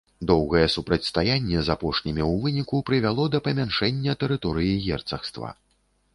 Доўгае супрацьстаянне з апошнімі ў выніку прывяло да памяншэння тэрыторыі герцагства.